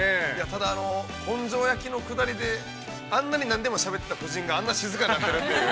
◆ただ、根性焼きのくだりであんなに何でもしゃべってた夫人が、あんな静かになるという。